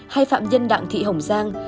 hay phạm nhân đặng thị hồng giang